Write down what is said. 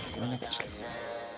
ちょっとすいません。